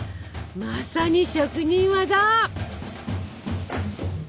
まさに職人技！